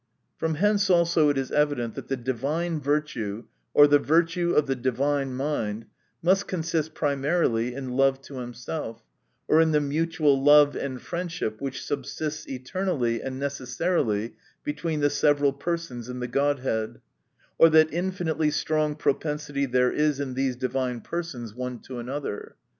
From hence also it is evident, that the divine virtue, or the virtue of the di vine mind, must consist primarily in love to himself, or in the mutual love and friendship which subsists eternally and necessarily between the several persons in the Godhead, or that infinitely strong propensity there is in these divine per sons one to another.